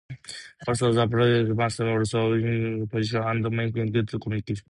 Also, the pilot must be aware of his wingman's position, and maintain good communication.